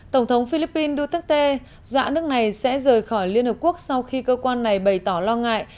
tổng thống philippines duterte doã nước này sẽ rời khỏi liên hợp quốc sau khi cơ quan này bày tỏ lo ngại